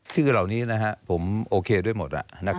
เหล่านี้ผมโอเคด้วยหมด